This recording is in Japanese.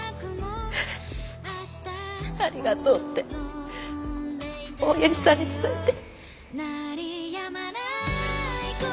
ありがとうっておやじさんに伝えて。